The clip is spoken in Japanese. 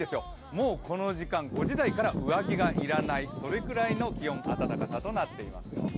もうこの時間、５時台から上着がいらないそれぐらいの気温、暖かさとなっていますよ。